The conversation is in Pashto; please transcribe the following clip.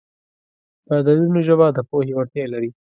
د عددونو ژبه د پوهې وړتیا لري.